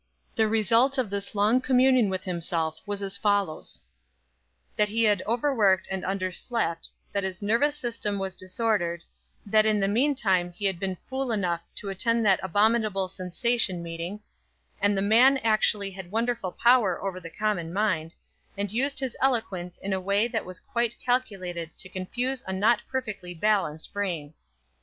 The result of this long communion with himself was as follows: That he had overworked and underslept, that his nervous system was disordered, that in the meantime he had been fool enough to attend that abominable sensation meeting, and the man actually had wonderful power over the common mind, and used his eloquence in a way that was quite calculated to confuse a not perfectly balanced brain.